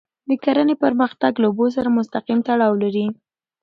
د کرهڼې پرمختګ له اوبو سره مستقیم تړاو لري.